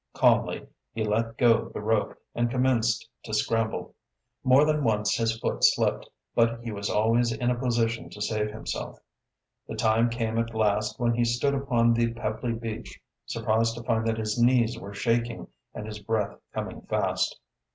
Calmly he let go the rope and commenced to scramble. More than once his foot slipped, but he was always in a position to save himself. The time came at last when he stood upon the pebbly beach, surprised to find that his knees were shaking and his breath coming fast.